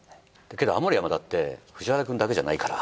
けど青森山田って藤原くんだけじゃないから。